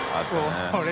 これ。